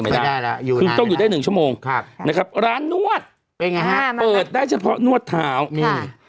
ไม่ได้ต้องอยู่ได้๑ชั่วโมงร้านนวดเปิดได้เฉพาะนวดเท่านี่